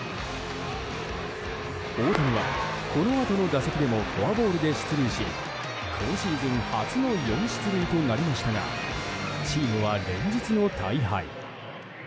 大谷はこのあとの打席でもフォアボールで出塁し今シーズン初の４出塁となりましたがチームは連日の大敗。